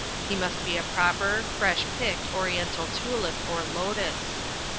He must be a proper, fresh picked oriental tulip or lotus.